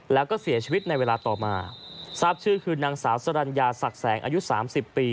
แล้วก็เสียชีวิตในเวลาต่อมาทราบชื่อคือนางสาวสรรญาศักดิ์แสงอายุสามสิบปี